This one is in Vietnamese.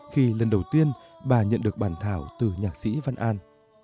khi lần đầu tiên bà nhận được bản thảo từ nhạc sĩ vân đan